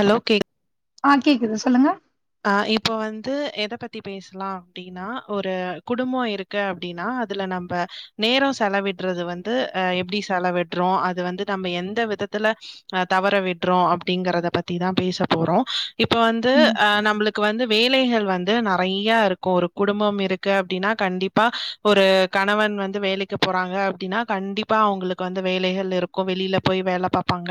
hello கேக் ஆ கேக்குது சொல்லுங்க ஆ இப்போ வந்து எத பத்தி பேசலா அப்டினா ஒரு குடும்போ இருக் கு அப்டினா அதுல நம்ப நேரோ செலவிட்றது வந்து அ எப்டி செலவிட்றோ அது வந்து நம்ம எந்த விதத்துல அ தவற விட்றோ அப்டிங்கறத பத்திதான பேச போறோ இப்ப வந்து ம் ஆ நம்புளுக்கு வந்து வேலைகள் வந்து நறைய இருக்கு ஒரு குடும்பம் இருக்கு அப்டினா கண்டிப்பா ஒரு கணவன் வந்து வேலைக்கு போறாங்க அப்டின்னா கண்டிப்பா அவுங்ளுக் வந்து வேலைகள் இரு கோ வெளில போய் வேல பாப்பாங்க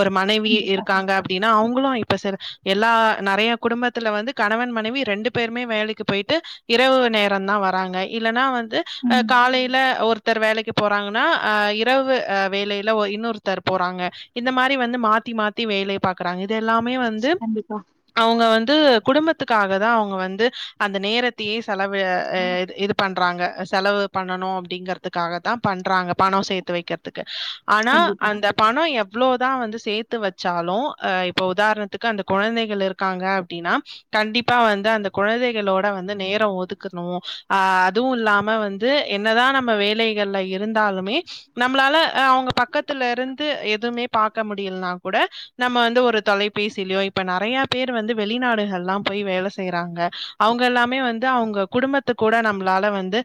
ஒரு மனைவி கண்டிப்பா இருக்காங்க அப்டின்னா அவுங்களும் இப்ப சில எல்லா நறையா குடும்பத்துல வந்து கணவன் மனைவி ரெண்டு பேருமே வேலைக்கு போய்ட்டு இரவு நேரந்தா வராங்க இல்லன்னா வந்து அ ம் காலைல ஒருத்தர் வேலைக்கு போறாங்கன்னா அ இரவு வேலையில இன்னொருத்தர் போறாங்க இந்த மாரி வந்து மாத்தி மாத்தி வேலை பாக் கறாங்க இது எல்லாமே கண்டிப்பா அவுங்க வந்து குடும்பத்துக்காக தா அவுங்க வந்து அந்த நேரத்தியே செலவு அ எ ம் இது இது பண்றாங்க செலவு பண்ணணும் அப்டிங்கறதுக்காக தான் பண்றாங்க பணம் சேத்து வைக்கிறதுக்கு ஆனா கண்டிப்பா அந்த பணோ எவ்ளோதா வந்து சேத்து வச்சாலு அ இப்ப உதாரணத்துக்கு அந்த கொழந்தைகள் இருக் க்காங்க அப்டின்னா கண்டிப்பா வந்து அந்த கொழந்தைகளோட வந்து நேரோ ஒதுக்கணும் ஆ அதுவும் இல்லாம வந்து து என்னதான் நம்ம வேலைகள்ல இருந்தாலுமே நம்மளால அவுங்க பக்கத்துல இருந்து எதுவுமே பாக்க முடியலனா கூட நம்ம வந்து ஒரு தொலைபேசிலயோ இப்ப நறையா பேர் வந்து வெளிநாடுகல்லாம் போய் வேலை செய்யறாங்க அவுங்க எல்லாமே வந்து அவங்க குடும்பத் த்து கூட நம்மளால வந்து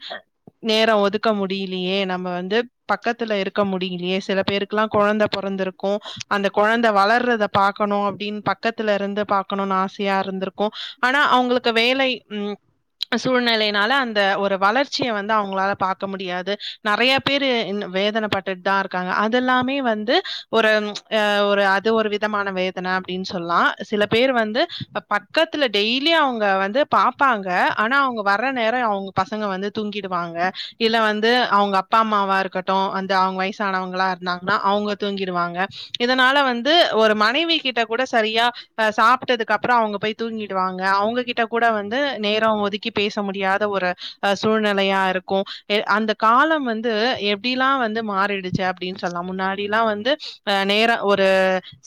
நேரோ ஒதுக்க முடியலையே நம்ம வந்து பக்கத்துல இருக்க முடியலையே சில பேருக்கெல்லாம் கொழந்த பொறந்திருக்கும் அந்த கொழந்த வளர்றத பாக்கணும் அப்டின்னு பக்கத்துல இருந்து பாக்கணுன்னு ஆசையா இருந்திருக்கும் ஆனா அவுங்களுக்கு வேலை ம் சூழ்நிலையினால அந்த ஒரு வளர்ச்சிய வந்து அவங்களால பாக்க முடியாது நறைய பேரு வேதன பட்டுட்டு தான் இருக்காங்க அதுல்லாமே வந்து ஒரு அ ஒரு அது ஒரு விதமான வேதன அப்டின்னு சொல்லலாம் சில பேர் வந்து பக்கத்துல டெய்லி அவுங்க வந்து பாப்பாங்க ஆனா அவுங்க வர்ர நேரோ அவுங் பசங்க வந்து தூங்கிடுவாங்க இல்ல வந்து அவங்க அப்பா அம்மாவா இருக்கட்டும் அந்த அவங்க வயசானவங்களா நா நா அவுங்க தூங்கிடுவாங்க இதனால வந்து ஒரு மனைவி கிட்ட கூட சரியா ப சாப்ட்டதுக்கப்றோ அவுங்க போய் தூங்கிடுவாங்க அவுங்ககிட்ட கூட வந்து நேரோ ஒதுக்கி பேச முடியாத ஒரு அ சூழ்நிலையா இருக்கும் அந்த காலம் வந்து எப்டிலாம் வந்து மாறிடு ச்சு அப்டின்னு சொல்லலாம் முன்னாடில்லாம் வந்து அ நேரம் ஒரு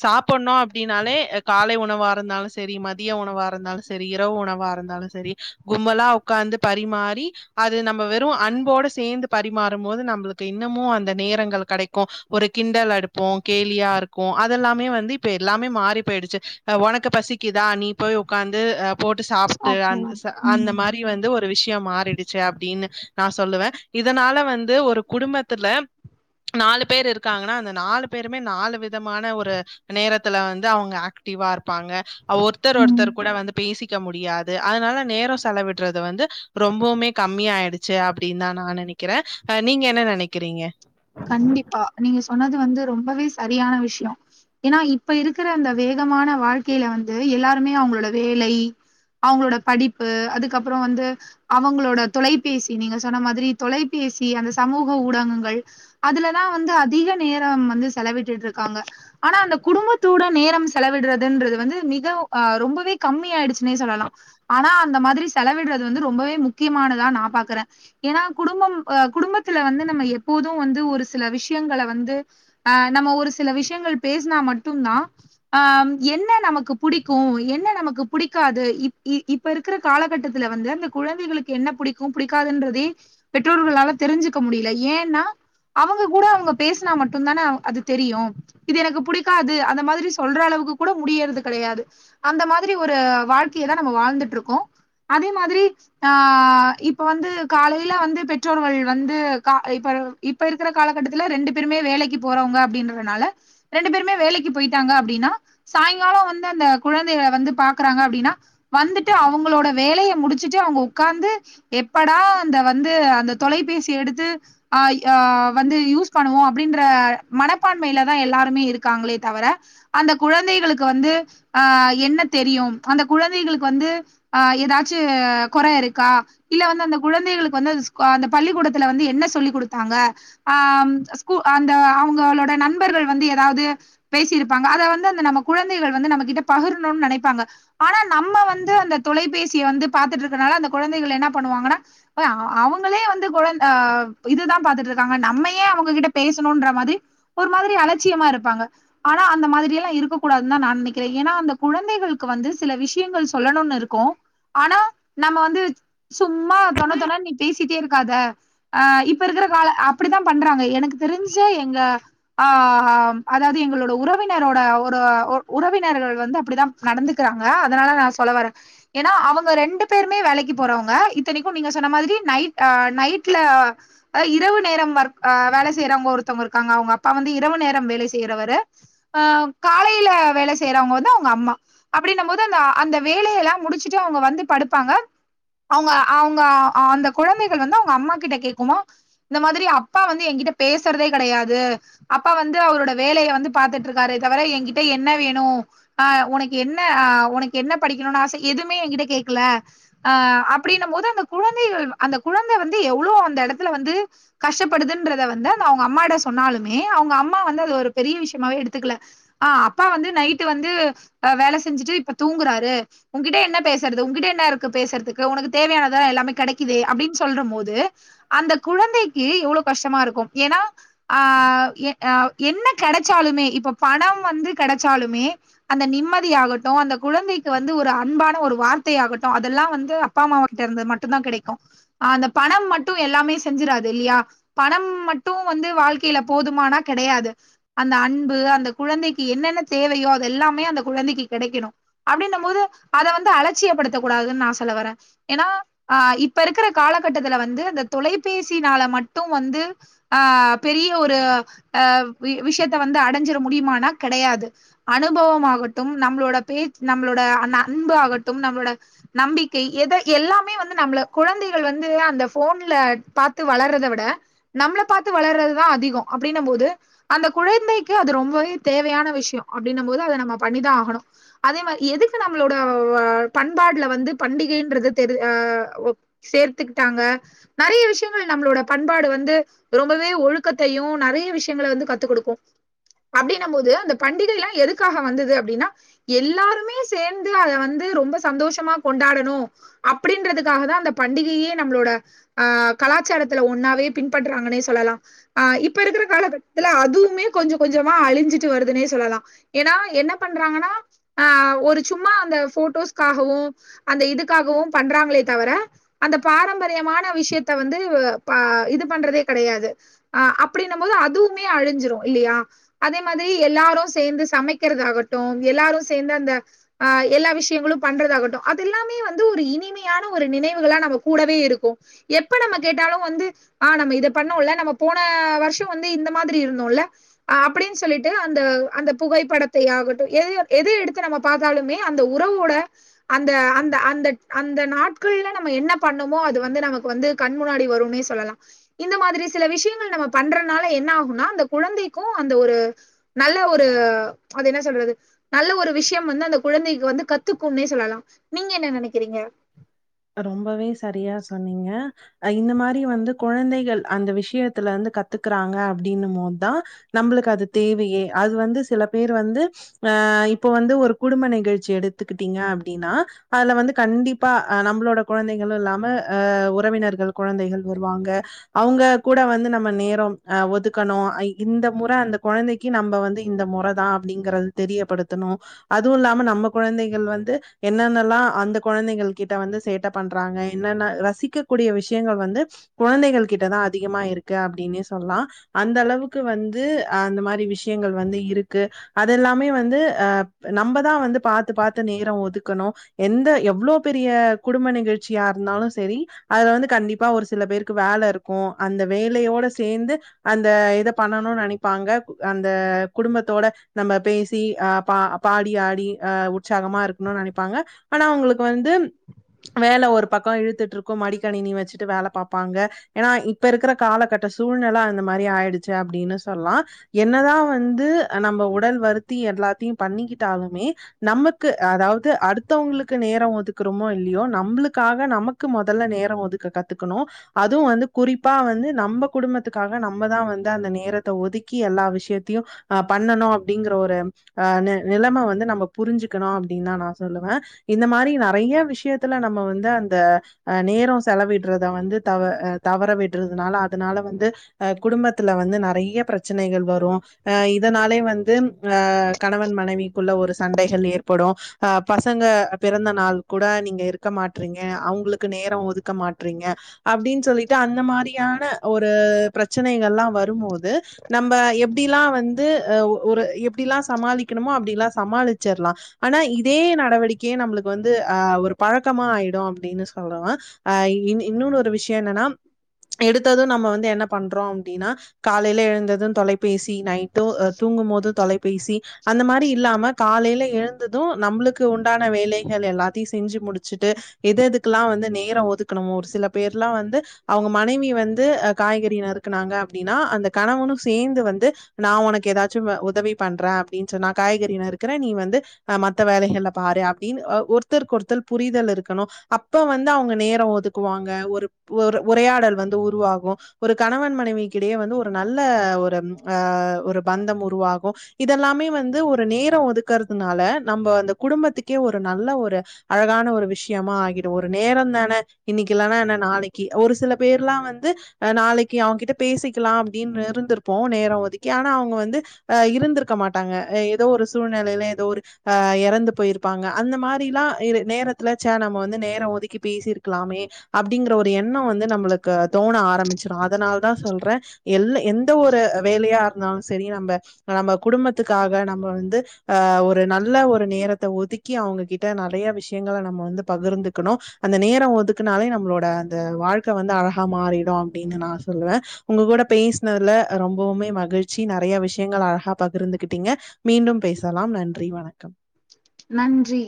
சாப்பிடணும் அப்டின்னாலே காலை உணவா இருந்தாலும் சேரி மதிய உணவா இருந்தாலும் சேரி இரவு உணவா இருந்தாலும் சேரி கும்மலா ஒக்காந்து பரிமாறி அது நம்ம வெறும் அன்போட சேந்து பரிமாறும் போது நம்மளுக்கு இன்னமும் அந்த நேரங்கள் கடைக்கும் ஒரு கிண்டல் அடுப்போ கேலியா இருக்கு அதெல்லாமே வந்து இப்ப எல்லாமே மாறி போய்டுச்சி அ ஒனக்கு பசிக்குதா நீ போய் உக்காந்து அ போட்டு சாப்டு அந் ச அந்த ம் மாரி இவ வந்து ஒரு விஷயம் மாறிடுச்சு அப்டின்னு நான் சொல்லுவேன் இதனால வந்து ஒரு குடும்பத்துல நாலு பேர் இருக்காங்கன்னா அந்த நாலு பேருமே நாலு விதமான ஒரு நேரத்துல வந்து அவுங்க ஆக்டிவா இருப்பாங்க ஒருத்தர ம் ஒருத்தர் கூட வந்து பேசிக்க முடியாது அதனால நேரம் செலவிடுறது வந்து ரொம்பவுமே கம்மியாயிடுச்சு அப்டின்னு தா நா நினைக்கிறேன் அ நீங்க என்ன நினைக்கிறீங்க கண்டிப்பா நீங்க சொன்னது வந்து ரொம்பவே சரியான விஷயம் ஏனா இப்ப இருக்கிற அந்த வேகமான வாழ்க்கைல வந்து எல்லாருமே அவுங்ளோட வேலை அவங்களோட படிப்பு அதுக்கப்புறம் வந்து அவங்களோட தொலைபேசி நீங்க சொன்ன மாதிரி தொலைபேசி அந்த சமூக ஊடகங்கள் அதுலதான் வந்து அதிக நேரம் வந்து செலவிட்டுட்டு இருக்காங்க ஆனா அந்த குடும்பத்தோட நேரம் செலவிடுறதுன்றது வந்து மிக அ ரொம்பவே கம்மி ஆயிடுச்சுன்னே சொல்லலாம் ஆனா அந்த மாதிரி செலவிடறது வந்து ரொம்பவே முக்கியமானதா நா பாக்குறே ஏனா குடும்பம் அ குடும்பத்துல வந்து நம்ம எப்போது வந்து ஒரு சில விஷயங்கல வந்து அ நம்ம ஒரு சில விஷயங்கள் பேசினா மட்டுதா ஆ என்ன நமக்கு புடிக்கு என்ன நமக்கு புடிக்காது இப் இ இப் இப்ப இருக்குற காலகட்டத்துல வந்து அந்த குழந்தைகளுக்கு என்ன புடிக்கு புடிக்காதுன்றதே பெற்றோர்களால தெரிஞ்சுக்க முடியல ஏன்னா அவங்க கூட அவங்க பேசுனா மட்டுதான அ அது தெரியு இது எனக்கு புடிக்காது அந்த மாதிரி சொல்ற அளவுக்கு கூட முடியறது கெடையாது அந்த மாதிரி ஒரு வாழ்க்கையதா நம்ம வாழ்ந்துட்ருக்கோ அதே மாதிரி ஆ இப்ப வந்து காலைல வந்து பெற்றோர்கள் வந்து கா இப்ப இப்ப இருக்குற காலகட்டத்துல ரெண்டு பேருமே வேலைக்கு போறவங்க அப்டின்றனால ரெண்டு பேருமே வேலைக்கு போய்ட்டாங்க அப்டினா சாய்ங்காலோ வந்து அந்த குழந்தைய வந்து பாக்குறாங்க அப்டினா வந்துட்டு அவங்களோட வேலைய முடிச்சுட்டு அவங்க உக்காந்து எப்படா அந்த வந்து அந்த தொலைபேசி எடுத்து அ ஆ வந்து யூஸ் பண்ணுவோ அப்டின்ற மனப்பான்மைலதா எல்லாருமே இருக்காங்களே தவர அந்த குழந்தைகளுக்கு வந்து ஆ என்ன தெரியு அந்த குழந்தைகளுக்கு வந்து ஆ ஏதாச்சு கொற இருக்கா இல்ல வந்து அந்த குழந்தைகளுக்கு வந்து அந்த ஸ் பள்ளிக்கூடத்துல வந்து என்ன சொல்லி குடுத் தாங்க ஆ ஸ்கூ அந்த அவங்களோட நண்பர்கள் வந்து ஏதாவ்து பேசியிருப்பாங்க அத வந்து அந்த நம்ம குழந்தைகள் வந்து நம்ம கிட்ட பகிர்ணுன் நெனைப்பாங்க ஆனா நம்ம வந்து அந்த தொலைபேசிய வந்து பாத்துட்ருக்கனால அந்த குழந்தைகள் என்ன பண்ணுவாங்கனா அதா அவங்களே வந்து குழந் ஆ இதுதா பாத்துட்ருக்காங்க நம்மயே அவங்ககிட்ட பேசணுன்றமாரி ஒரு மாதிரி அலட்சியமா இருப்பாங்க ஆனா அந்த மாதிரி எல்லா இருக்க கூடாதுன்தா நா நெனைக்குறே எனா அந்த குழந்தைகளுக்கு வந்து சில விஷயங்கள் சொல்லணுன் இருக்கு ஆனா நம்ம வந்து சும்மா தொண தொண நீ பேசிட்டே இருக்காத ஆ இப் இப்ப இருக்குற கால அப்டிதா பண்றாங்க எனக்கு தெரிஞ்சே எங்க ஆஹா அதாவ்து எங்களோட உறவினரோட ஒரு ஒ உறவினர்கள் வந்து அப்டிதா நடந்துக்கறாங்க அதனால நா சொல்ல வரே எனா அவங்க ரெண்டு பேருமே வேலைக்கு போறவங்க இத்தனிக்கு நீங்க சொன்ன மாதிரி நைட் ஆ நைட்ல அ இரவு நேரம் வொர்க் ஆ வேல செய்யறவ்ங்க ஒருத்தவ்ங்க இருக்காங்க அவுங்க அப்பா வந்து இரவு நேரம் வேலை செய்றவரு அ காலைல வேல செய்றவங்க வந்து அவுங்க அம்மா அப்டின்னும் போது அந்த அந்த வேலையல்லா முடுச்சுட்டு அவங்க வந்து படுப்பாங்க அவுங்க அவுங்க அந்த குழந்தைகள் வந்து அவுங்க அம்மா கிட்ட கேக்குமா இந்த மாதிரி அப்பா வந்து எங்கிட்ட பேசறதே கெடையாது அப்பா வந்து அவரோட வேலய வந்து பாத்துட்டு இருக்காரே தவர எங்கிட்ட என்ன வேணு அ ஒனக்கு என்ன ஆ ஒனக்கு என்ன படிக்கணுனு ஆச எதுமே எங்கிட்ட கேக்கல அ அப்டின்னம் போது அந்த குழந்தைகள் அந்த குழந்த வந்து எவ்ளோ அந்த எடத்துல வந்து கஷ்டப்படுதுன்றத வந்து அந்த அவ்ங்க அம்மாட சொன்னாலுமே அவ்ங்க அம்மா வந்து அது ஒரு பெரிய விஷயமாவே எடுத்துக்கல ஆ அப்பா வந்து நைட்டு வந்து வேல செஞ்சுட்டு இப்ப தூங்குறாரு உங்கிட்ட என்ன பேசுறது உங்கிட்ட என்ன இருக்கு பேசறதுக்கு உனக்கு தேவையானதுதா எல்லாமே கெடைக்குதே அப்டின் சொல்ற போது அந்த குழந்தைக்கி எவ்ளோ கஷ்டமா இருக்கு ஏனா ஆ எ ஆ என்ன கெடச்சாலுமே இப்ப பணம் வந்து கெடச்சாலுமே அந்த நிம்மதியாகட்டு அந்த குழந்தைக்கு வந்து ஒரு அன்பான ஒரு வார்த்தை ஆகட்டு அதல்லா வந்து அப்பா அம்மா ஒருத்தர் இருந்து மட்டுந்தா கிடைக்கு அந்த பணம் மட் டு எல்லாமே செஞ்சுறாது இல்லயா பணம் மட்டு வந்து வாழ்க்கேல போதுமானா கெடையாது அந்த அன்பு அந்த குழந்தைக்கு என்னென்ன தேவையோ அது எல்லாமே அந்த குழந்தைக்கு கிடைக்கணு அப்டின்னம் போது அத வந்து அலட்சியப்படுத்தக் கூடாதுன் நா சொல்ல வரே ஏனா அ இப்ப இருக்குற காலகட்டத்துல வந்து அந்த தொலைபேசினால மட்டு வந்து ஆ பெரிய ஒரு அ வி விஷயத்த வந்து அடஞ்சுற முடியுமானா கெடையாது அனுபவமாகட்டும் நம்பளோட பேச் நம்பளோட அன்பு ஆகட்டும் நம்பளோட நம்பிக்கை எத எல்லாமே வந்து நம்பள குழந்தைகள் வந்து அந்த போன்ல பாத்து வளர்றத விட நம்மள பாத்து வளர்றதுதா அதிகோ அப்டின்னம்போது அந்த குழந்தைக்கு அது ரொம்பவே தேவையான விஷ்யோ அப்டின்னம் போது அத நம்ம பண்ணிதா ஆகணு அதே மாரி எதுக்கு நம்மளோட வ பண்பாடுல வந்து பண்டிகைன்றது தெரி ஆ ஒ சேர்த்துக்கிட்டாங்க நறைய விஷயங்கள் நம்பளோட பண்பாடு வந்து ரொம்பவே ஒழுக்கத்தையு நறைய விஷயங்கள வந்து கத்து குடுக்கு அப்டின்னம் போது அந்த பண்டிகைல்லா எதுக்காக வந்தது அப்டினா எல்லாருமே சேந்து அத வந்து ரொம்ப சந்தோஷமா கொண்டாடணு அப்டின்றதுக்காக தா அந்த பண்டிகையே நம்பளோட ஆ கலாச்சாரத்துல ஒன்னாவே பின்பற்றாங்கன்னே சொல்லலா ஆ இப்ப இருக்குற காலகட்டத்துல அதுவுமே கொஞ்ச கொஞ்சமா அழுஞ்சுட்டு வருதுன்னே சொல்லலா ஏனா என்ன பண்றாங்கன்னா ஆ ஒரு சும்மா அந்த போட்டோஸ்காகவு அந்த இதுக்காகவு பண்றாங்களே தவர அந்த பாரம்பரியமான விஷயத்த வந்து ப இது பண்றதே கெடையாது ஆ அப்டின்னம்போது அதுவுமே அழுஞ்சுரு இல்லயா அதே மாதி எல்லாரு சேந்து சமைக்கறதாகட்டு எல்லாரு சேந்து அந்த ஆ எல்லா விஷயங்களு பண்றதாகட்டு அது எல்லாமே வந்து ஒரு இனிமையான ஒரு நினைவுகளா நம்ம கூடவே இரு கு எப்ப நம்ம கேட்டாலு வந்து ஆ நம்ம இத பண்ணுவோல நம்ம போன வருஷோ வந்து இந்த மாதிரி இருந்தோல்ல அ அப்டின் சொல்லிட்டு அந்த அந்த புகைப்படத்தையாகட்டு எது எது எடுத்து நம்ம பாத்தாலுமே அந்த உறவோட அந்த அந்த அந்த அந்த நாட்கள்ல நம்ம என்ன பண்ணோமோ அது வந் து நமக்கு வந்து கண் முனாடி வரும்னே சொல்லலா இந்த மாதிரி சில விஷயங்கள் நம்ம பண்றனால என்ன ஆகுனா அந்த குழந்தைக்கு அந்த ஒரு நல்ல ஒரு அது என்னா சொல்றது நல்ல ஒரு விஷ்யம் வந்து அந்த குழந்தைக்கு வந்து கத்துக்கும்னே சொல்லலா நீங்க என்ன நெனைக்கறீங்க ரொம்பவே சரியா சொன்னீங்க அ இந்த மாரி வந்து கொழந்தைகள் அந்த விஷயத்துலருந்து கத்துகுறாங்க அப்டின்னும்போதுதான் நம்மளுக்கு அது தேவையே அது வந்து சில பேரு வந்து ஆ இப்ப வந்து ஒரு குடும்ப நிகழ்ச்சி எடுத்துக்கிட்டீங்க அப்டின்னா அதுல வந்து கண்டிப்பா அ நம்பளோட கொழந்தைகளும் இல்லாம அ உறவினர்கள் கொழந்தைகள் வருவாங்க அவுங்க கூட வந்து நம்ம நேரம் ஆ ஒதுக்கணும் அ இந்த முற அந்த கொழந்தைக் க்கி நம்ப வந்து இந்த முற தான் அப்டிங்கறது தெரியப்படுத்தணும் அதுவு இல்லாம நம்ம கொழந்தைகள் வந்து என்னென்னல்லா அந்த கொழந்தைகளு கிட்ட வந்து சேட்ட பண்றாங்க என்னன்ன ரசிக்கக்கூடிய விஷயங்கள் வந்து குழந்தைகள் கிட்டதான் அதிகமா இருக்கு அப்டின்னே சொல்லா அந்த அளவுக்கு வந்து ஆ அந்த மாரி விஷயங்கள் வந்து இருக்கு அதெல்லாமே வந்து ஆ நம்பதா வந்து பாத்து பாத்து நேரம் ஒதுக்கணும் எந்த எவ்ளோ பெரிய குடும்ப நிகழ்ச்சியா இருந்தாலும் சேரி அதுல வந்து கண்டிப்பா ஒரு சில பேருக்கு வேல இருக் க்கும் அந்த வேலையோட சேந்து அந்த இத பண்ணணு நினைப்பாங்க கு அந்த குடும்பத்தோட நம்ம பேசி ஆ பா அப் பாடி ஆடி ஆ உற்சாகமா இருக்கணுனு நினைப்பாங்க ஆனா அவங்களுக்கு வந்து வேல ஒரு பக்கம் இழுத்துட்டு்ருக்கும் மடிக்கணினி வச்சுட்டு வேல பாப்பாங்க ஏனா இப்ப இருக்குற காலகட்ட சூழ்நில அந்த மாரி ஆய்டுச்சு அப்டின்னு சொல்லா என்னதா வந்து நம்ப உடல் வருத்தி எல்லாத்தியும் பண்ணிக்கிட்டாலுமே நமக்கு அதாவது அடுத்தவங்களுக்கு நேரம் ஒதுக்கு இருக்குறோமோ இல்லியோ நம்புளுக்காக நமக்கு முதல நேரம் ஒதுக்க கத்துக்கணும் அதுவும் வந்து குறிப்பா வந்து நம்ப குடும்பத்துக்காக நம்பதான் வந்து அந்த நேரத்த ஒதுக்கி எல்லா விஷயத்தியும் ஆ பண்ணணும் அப்டிங்கிற ஒரு ஆ நி நிலம வந்து நம்ப புரிஞ்சுக்கணும் அப்டின்னு தான் நான் சொல்லுவ இந்த மாரி நெறைய்ய விஷயத்துல நம்ம வந்து அந்த அ நேரோ செலவிடுறத வந்து தவ அ தவற விடுறதுனால அதனால வந்து அ குடும்பத்துல வந்து நெறைய்ய பிரச்சனைகள் வரும் அ இதனாலே வந்து அ கணவன் மனைவிக்குள்ள ஒரு சண்டைகள் ஏற்படு அ பசங்க பிறந்த நாள் கூட நீங்க இருக்க மாட்றீங்க அவுங்களுக்கு நேரோ ஒதுக்க மாட்றீங்க அப்டின் சொல்லிட்டு அந்த மாரியான ஒரு பிரச்சனைகலாம் வரும்போது நம்ப எப்டிலாம் வந்து அ ஒ ஒரு எப்டிலா சமாளிக்கனுமோ அப்டிலா சமாளிச்சறலா ஆனா இதே நடவடிக்கையே நம்மளுக்கு வந்து ந்து அ ஒரு பழக்கமா ஆய்டும் அப்டின்னு சொல்லாம் அ இன் இன்னொன்னு ஒரு விஷயோ என்னன்னா எடுத்ததும் நம்ம வந்து என்ன பண்றோம் அப்டின்னா காலையிலே எழுந்ததும் தொலை பேசி நைட்டும் தூங்கும் போதும் தொலைபேசி அந்த மாரி இல்லாம காலையிலே எழுந் ந்ததும் நம்மளுக்கு உண்டான வேலைகள் எல்லாத்தையும் செஞ்சு முடிச்சுட்டு எது எதுக்குல்லாம் வந்து நேரம் ஒதுக்கனுமோ ஒரு சில பேர்ல்லாம் வந்து அவுங்க மனைவி வந்து அ காய்கறி நறுக்குனாங்க அப்டின்னா அந்த கணவனும் சேர்ந்து வந்து நா ஒனக்கு ஏதாச்சும் வ உதவி பண்றேன் அப்டின்னு சொன்னாக்கா காய்கறி நறுக்குற நீ வந்து அ மத்த வேலைகள்ல பாரு அப்டின்னு அ ஒருத்தருக்கு ஒருத்தர் புரிதல் இருக்கணும் அப்ப வந்து அவுங்க நேரோ ஒதுக்குவாங்க ஒரு உர உரையாடல் வந்து உருவாகும் ஒரு கணவன் மனைவிக்கிடையே வந்து ஒரு நல்ல ஒரு ஆ ஒரு பந்தம் உருவாகும் இதெல்லாமே வந்து ஒரு நேரோ ஒதுக்குறதுனால நம்போ அந்த குடும்பத்துக்கே ஒரு நல்ல ஒரு அழகான ஒரு விஷயமா ஆகிடும் ஒரு நேரந்தானே இன்னைக்கி இல்லன்னா என்ன நாளைக்கி ஒரு சில பேர்ல்லா வந்து அ நாளைக்கு அவங்க்கிட்ட பேசிக்கிலா அப்டின்னு இருந்திருப்போ நேரோ ஒதுக்கி ஆனா அவுங்க வந்து அ இருந்திருக்க மாட்டாங்க எ ஏதோ ஒரு சூழ்நிலையில ஏதோ ஒரு ஆ எறந்து போயிரு ப்பாங்க அந்த மாரில்லா இரு நேரத்துல சே நம்ம வந்து நேர ஒதுக்கி பேசி இருக்கலாமே அப்டிங்கிற ஒரு எண்ணோ வந்து நம்மளுக்கு தோண ஆரம்பிச்சிரு அதனால தா சொல்றே எல்ல எந்த ஒரு வேலையா இருந்தாலு சேரி நம்ப நம்ம குடும்பத்துக்காக நம்ப வந்து அ ஒரு நல்ல ஒரு நேர த்த ஒதுக்கி அவங்ககிட்ட நெறைய விஷயங்கள நம்ம வந்து பகிர்ந்துக்கணு அந்த நேரோ ஒதுக்குனாலே நம்மளோட அந்த வாழ்க்க வந்து அழகா மாறிடு அப்டின்னு நா சொல்லுவே உங்க கூட பேசுனதுல ரொம்பொவுமே மகிழ்ச்சி நெறைய விஷயங்கள அழகா பகிர்ந்துகிட்டீங்க மீண்டும் பேசலாம் நன்றி வணக்கம் நன்றி